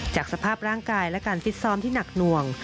จากสภาพร่างกายและการฟิตซ้อมที่หนักหน่วง